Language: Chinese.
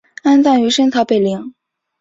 安葬于深草北陵。